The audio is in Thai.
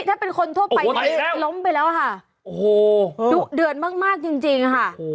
ถ้าเป็นคนทั่วไปล้มไปแล้วค่ะโอ้โหดุเดือดมากจริงจริงค่ะ